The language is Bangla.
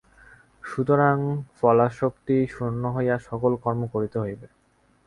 সুতরাং ফলাসক্তি শূন্য হইয়া সকল কর্ম করিতে হইবে।